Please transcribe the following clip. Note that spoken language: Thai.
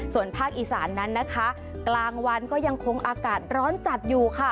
ส่วนภาคอีสานนั้นนะคะกลางวันก็ยังคงอากาศร้อนจัดอยู่ค่ะ